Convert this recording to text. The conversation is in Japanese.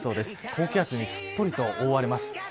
高気圧にすっぽりと覆われます。